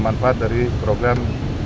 manfaat dari program